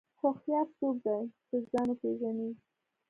هوښیار څوک دی چې ځان وپېژني.